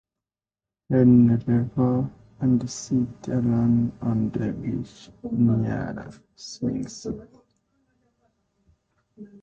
Helen leaves, and sits alone on a bench near a swing set.